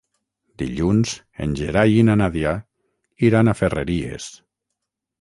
Dilluns en Gerai i na Nàdia iran a Ferreries.